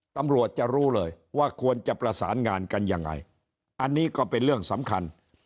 ตำรวจจะรู้เลยว่าควรจะประสานงานกันยังไงอันนี้ก็เป็นเรื่องสำคัญ